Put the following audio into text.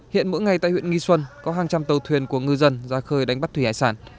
hiện mỗi ngày tại huyện nghi xuân có hàng trăm tàu thuyền của ngư dân ra khơi đánh bắt thủy hải sản